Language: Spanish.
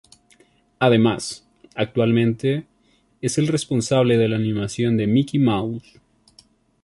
Además, actualmente es el responsable de la animación de Mickey Mouse.